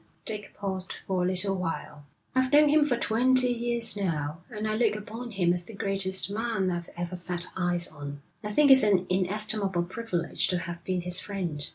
Dick paused for a little while. 'I've known him for twenty years now, and I look upon him as the greatest man I've ever set eyes on. I think it's an inestimable privilege to have been his friend.'